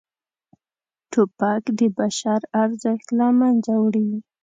توپک د بشر ارزښت له منځه وړي.